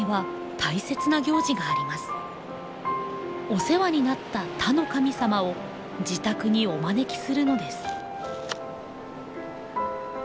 お世話になった田の神様を自宅にお招きするのです。